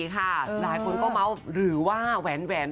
หลายคนก็เมาส์หรือว่าแหวน